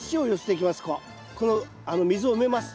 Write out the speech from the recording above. この溝を埋めます。